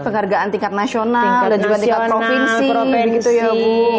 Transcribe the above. penghargaan tingkat nasional dan juga tingkat provinsi